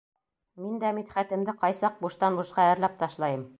Мин дә Мидхәтемде ҡай саҡ буштан-бушҡа әрләп ташлайым!